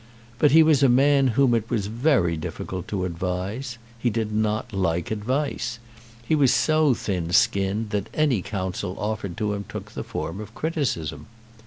But he was a man whom it was very difficult to advise. He did not like advice. He was so thin skinned that any counsel offered to him took the form of criticism.